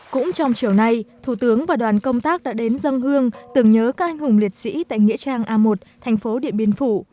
cũng trong chiều nay thủ tướng và đoàn công tác đã đến dân hương tưởng nhớ các anh hùng liệt sĩ tại nghĩa trang a một thành phố điện biên phủ